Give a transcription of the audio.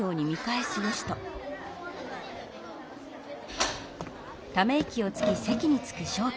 はあ。